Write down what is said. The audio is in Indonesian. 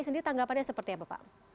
sendiri tanggapannya seperti apa pak